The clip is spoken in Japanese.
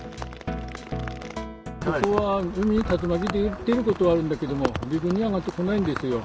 ここは海に竜巻出ることはあるんだけども、陸に上がってこないんですよ。